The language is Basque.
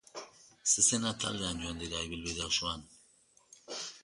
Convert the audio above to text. Zezenak taldean joan dira ibilbide osoan.